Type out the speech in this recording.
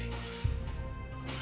ramadi udah yakin be